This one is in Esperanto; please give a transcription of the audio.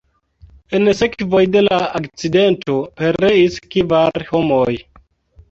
En sekvoj de la akcidento pereis kvar homoj.